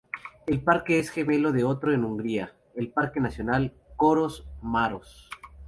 El parque es gemelo de otro en Hungría, el parque nacional Körös-Maros.